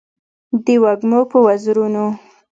د وږمو په وزرونو